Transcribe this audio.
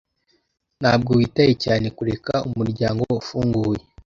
Ntabwo witaye cyane kureka umuryango ufunguye.